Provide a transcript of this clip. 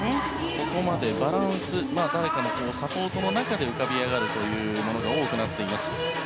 ここまでバランス誰かのサポートの中で浮かび上がるというものが多くなっています。